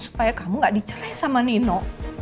supaya kamu gak dicerai sama nino